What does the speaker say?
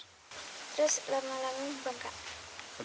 terus lama lamanya bengkak